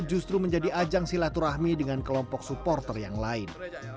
justru menjadi ajang silaturahmi dengan kelompok supporter yang lain